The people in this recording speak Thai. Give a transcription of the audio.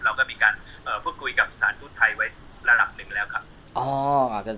เราก็มีการพูดคุยกับสถานทูตไทยไว้ระดับหนึ่งแล้วครับ